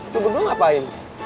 lo bener bener ngapain